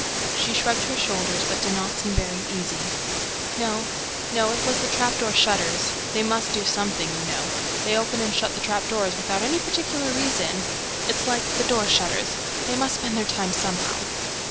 She shrugged her shoulders, but did not seem easy. "No, no, it was the 'trap door shutters.' They must do something, you know ... They open and shut the trap doors without any particular reason ... It's like the 'door shutters:' they must spend their time somehow."